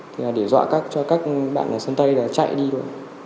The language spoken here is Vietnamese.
thì là để dọa cho các bạn ở sân tây là chạy đi thôi